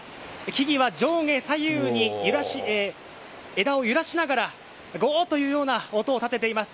木々は上下左右に枝を揺らしながらゴーというような音を立てています。